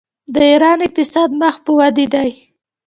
د ایران اقتصاد مخ په وده دی.